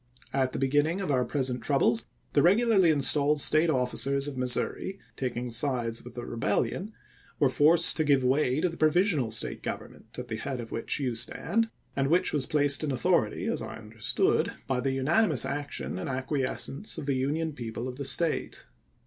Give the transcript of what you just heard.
At the beginning of our present troubles, the regularly installed State officers of ]\lissouri, taking sides with the Rebellion, were forced to give way to the provisional State gov ernment, at the head of which you stand, and which was placed in authority, as I understood, by the unani mous action and acquiescence of the Union people of the State.